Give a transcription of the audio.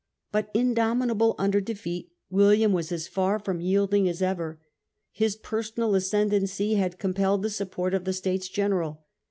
But, indomitable under defeat, William was as far from yielding as ever. His personal ascendancy had ^ compelled the support of the States General.